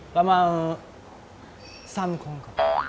ประมาณ๓คนครับ